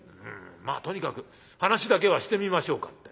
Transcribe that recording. まあとにかく話だけはしてみましょうか」